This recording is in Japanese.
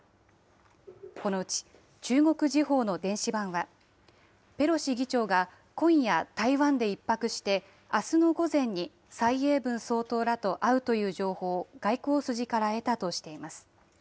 このうち、中国時報の電子版は、ペロシ議長が今夜台湾で１泊して、あすの午前に蔡英文総統らと会うという情報を、外交筋から得たとしています。